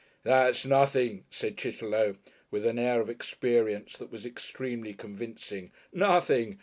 "That's nothing," said Chitterlow, with an air of experience that was extremely convincing. "Nothing.